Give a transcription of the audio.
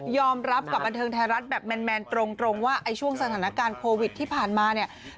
รับกับบันเทิงไทยรัฐแบบแมนตรงว่าไอ้ช่วงสถานการณ์โควิดที่ผ่านมาเนี่ย